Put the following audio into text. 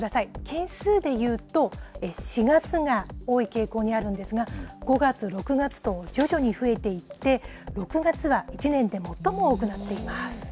件数でいうと、４月が多い傾向にあるんですが、５月、６月と徐々に増えていって、６月は１年で最も多くなっています。